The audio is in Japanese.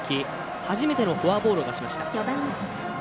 初めてのフォアボールを出しました。